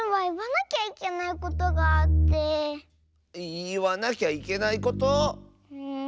いわなきゃいけないこと⁉うん。